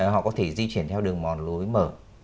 họ có thể di chuyển theo đường mòn lối mở